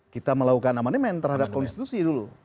kita melakukan amandemen terhadap konstitusi dulu